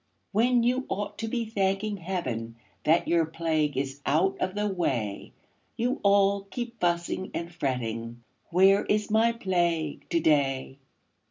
When you ought to be thanking Heaven That your plague is out of the way, You all keep fussing and fretting "Where is my Plague to day?"